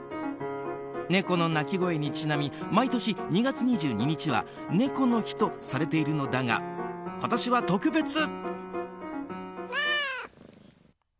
猫の鳴き声にちなみ毎年２月２２日は猫の日とされているのだが今年は特別！